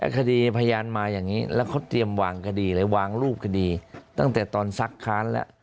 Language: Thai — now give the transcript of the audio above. คดีพยานมาอย่างนี้แล้วเขาเตรียมวางคดีเลยวางรูปคดีตั้งแต่ตอนซักค้านแล้ว